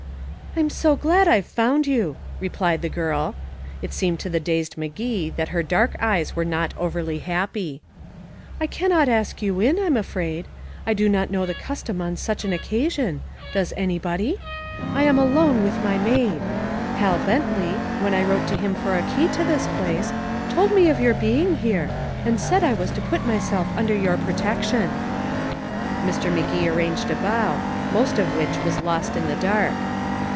"I'm so glad I've found you," replied the girl. It seemed to the dazed Magee that her dark eyes were not overly happy. "I can not ask you in, I'm afraid. I do not know the custom on such an occasion does anybody? I am alone with my maid. Hal Bentley, when I wrote to him for a key to this place, told me of your being here, and said that I was to put myself under your protection." Mr. Magee arranged a bow, most of which was lost in the dark.